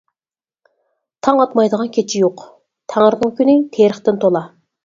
تاڭ ئاتمايدىغان كېچە يوق، تەڭرىنىڭ كۈنى تېرىقتىن تولا.